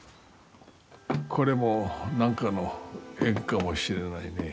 これも何かの縁かもしれないね。